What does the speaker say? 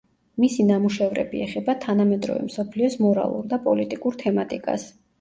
მისი ნამუშევრები ეხება თანამედროვე მსოფლიოს მორალურ და პოლიტიკურ თემატიკას.